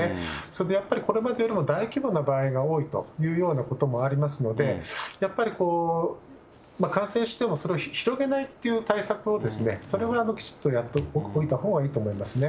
それでやっぱりこれまでよりも大規模な場合が多いというようなこともありますので、やっぱりこう、感染してもそれを広げないっていう対策を、それをきちっとやっておいた方がいいと思いますね。